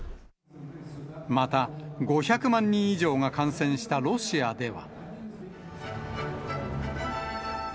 また５００万人以上が感染したロシアでは。